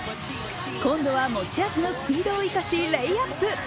今度は持ち味のスピードを生かしレイアップ。